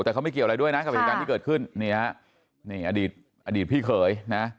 แต่เค้าไม่เกี่ยวอะไรด้วยนะกับเหตุการณ์จริงเกิดขึ้นนี่ฮะอดีตพี่เขย